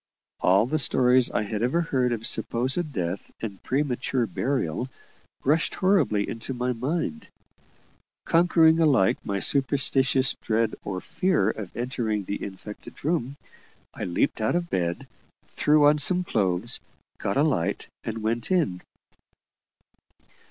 All the stories I had ever heard of supposed death and premature burial rushed horribly into my mind. Conquering alike my superstitious dread or fear of entering the infected room, I leaped out of bed, threw on some clothes, got a light, and went in.